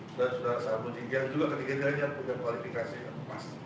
dan sudara sahabun jindian juga ketiga tiga lainnya yang punya kualifikasi yang pas